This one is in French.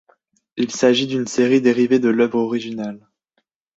Il s'agit d'une série dérivée de l'œuvre originale.